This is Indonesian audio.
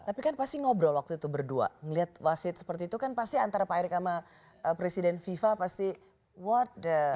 tapi kan pasti ngobrol waktu itu berdua melihat wasit seperti itu kan pasti antara pak erik sama presiden fifa pasti what the